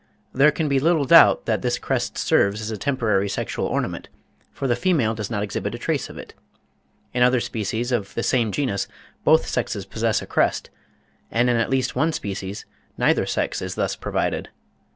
There can be little doubt that this crest serves as a temporary sexual ornament, for the female does not exhibit a trace of it. In other species of the same genus both sexes possess a crest, and in at least one species neither sex is thus provided.